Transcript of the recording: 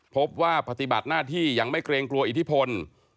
พบว่าปฏิบัติหน้าที่ยังไม่เกรงกลัวอิทธิพล